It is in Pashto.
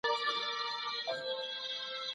الله تعالی واحد او لا شريک دی